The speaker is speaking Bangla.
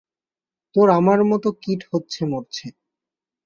তোর আমার মত কত কীট হচ্ছে মরছে।